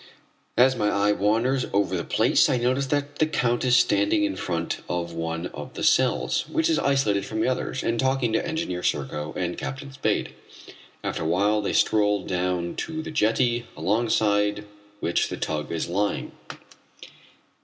As my eye wanders over the place I notice that the Count is standing in front of one of the cells, which is isolated from the others, and talking to Engineer Serko and Captain Spade. After a while they stroll down to the jetty alongside which the tug is lying.